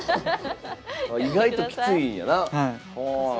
意外ときついんやな。